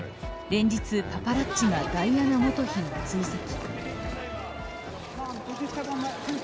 連日、パパラッチがダイアナ元妃を追跡。